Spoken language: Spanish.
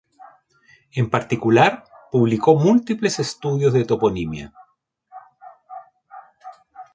En particular, publicó múltiples estudios de toponimia.